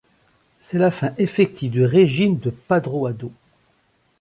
C'est la fin effective du régime de Padroado.